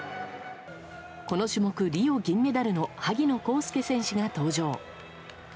この種目、リオ銀メダルの萩野公介選手が登場。